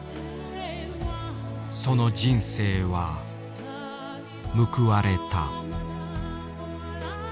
その人生は報われた。